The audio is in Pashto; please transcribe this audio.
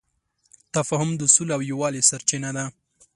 تفاهم د سولې او یووالي سرچینه ده.